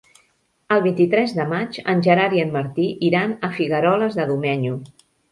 El vint-i-tres de maig en Gerard i en Martí iran a Figueroles de Domenyo.